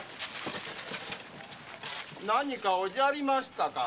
何かおじゃりましたかの？